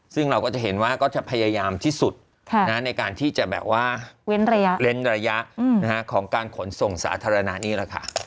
ซึ่งเราก็จะเห็นว่าก็จะพยายามที่สุดในการที่จะแบบว่าเว้นระยะของการขนส่งสาธารณะนี่แหละค่ะ